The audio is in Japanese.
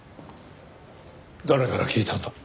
誰から聞いたんだ？